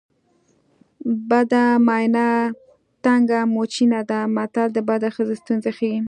بده ماینه تنګه موچڼه ده متل د بدې ښځې ستونزې ښيي